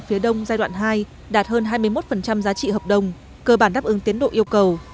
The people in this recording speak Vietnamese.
phía đông giai đoạn hai đạt hơn hai mươi một giá trị hợp đồng cơ bản đáp ứng tiến độ yêu cầu